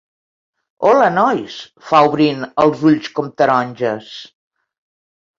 Hola, nois —fa, obrint els ulls com taronges—.